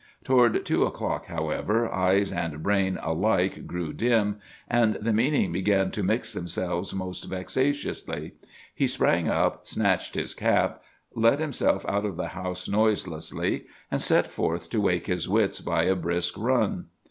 "Toward two o'clock, however, eyes and brain alike grew dim, and the meanings began to mix themselves most vexatiously. He sprang up, snatched his cap, let himself out of the house noiselessly, and set forth to wake his wits by a brisk run.